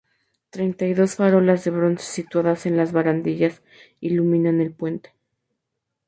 Treinta y dos farolas de bronce situadas en las barandillas iluminan el puente.